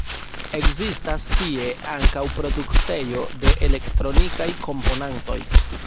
Ekzistas tie ankaŭ produktejo de elektronikaj komponantoj.